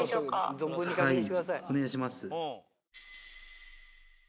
はいお願いします。